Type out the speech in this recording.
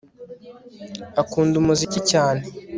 Akunda umuziki cyane